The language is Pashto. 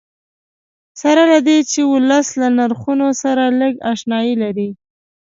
سره له دې چې ولس له نرخونو سره لږ اشنایي لري.